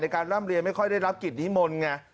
การร่ำเรียนไม่ค่อยได้รับกิจนิมนต์ไง